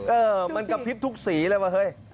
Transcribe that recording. เออมันกระพริบทุกสีเลยว่าเฮ้ย